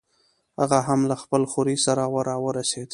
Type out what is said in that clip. هغه هم له خپل خوریي سره راورسېد.